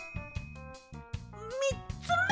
みっつめ。